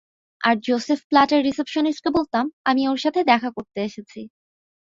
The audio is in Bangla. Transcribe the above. আর জোসেফ প্লাটের রিসেপশনিস্টকে বলতাম আমি ওর সাথে দেখা করতে এসেছি।